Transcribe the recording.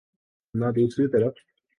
نہ دوسری طرف۔